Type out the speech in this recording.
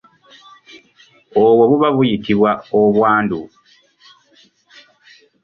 Obwo buba buyitibwa obwandu.